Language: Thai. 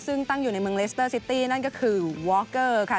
ซึ่งตั้งอยู่ในเมืองเลสเตอร์ซิตี้นั่นก็คือวอคเกอร์ค่ะ